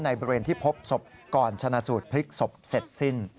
บริเวณที่พบศพก่อนชนะสูตรพลิกศพเสร็จสิ้น